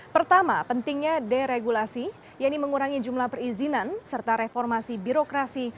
pertama pentingnya deregulasi yaitu mengurangi jumlah perizinan serta reformasi birokrasi